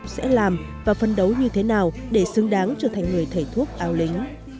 sẽ làm và phân đấu như thế nào để xứng đáng trở thành người thầy thuốc ao lính